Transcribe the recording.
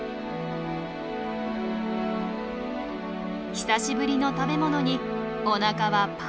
久しぶりの食べ物におなかはパンパン。